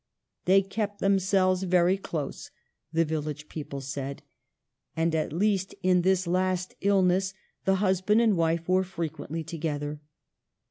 "They kept themselves very close," the village people said ; and at least in this last illness the husband and wife were frequently together.